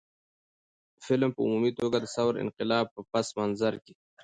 فلم په عمومي توګه د ثور انقلاب په پس منظر کښې